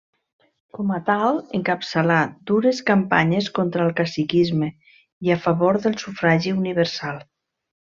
Com a tal encapçalà dures campanyes contra el caciquisme i a favor del sufragi universal.